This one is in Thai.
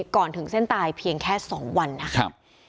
ก่อนถึงเส้นตายเพียงแค่๒วันนะครับ